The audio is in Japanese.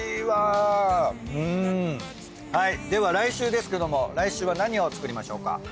はいでは来週ですけども来週は何を作りましょうか？